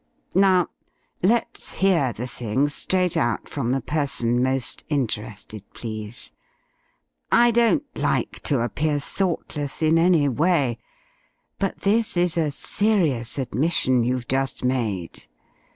Now, let's hear the thing straight out from the person most interested, please. I don't like to appear thoughtless in any way, but this is a serious admission you've just made.